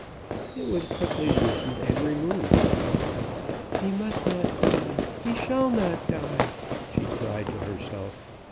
It was quickly loosened and removed. "He must not die, he shall not die!" she cried to herself.